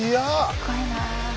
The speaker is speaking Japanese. すごいな。